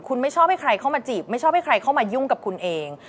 คุณไม่ชอบให้ใครเข้ามาจีบไม่ชอบให้ใครเข้ามายุ่งกับคุณเอง